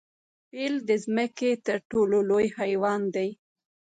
پیل د ځمکې تر ټولو لوی حیوان دی